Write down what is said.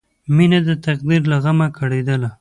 مینه د تقدیر له غمه کړېدله